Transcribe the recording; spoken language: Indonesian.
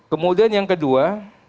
kemudian yang kedua